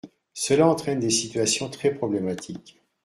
Cela entraîne des situations très problématiques.